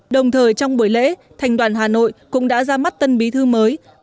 đồng thời trong buổi lễ thành đoàn hà nội cũng đã ra mắt tân bí thư mới